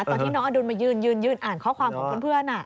ตอนที่น้องอดุลมายืนยืนอ่านข้อความของเพื่อน